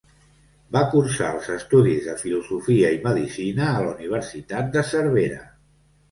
Va cursar els estudis de Filosofia i Medicina a la Universitat de Cervera.